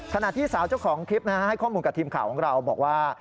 ขณะที่สาวเจ้าของคลิปให้ข้อมูลกับทีมข่าวของเราบอกว่า